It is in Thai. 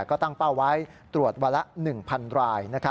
ก็ตั้งเป้าไว้ตรวจวันละ๑๐๐๐ราย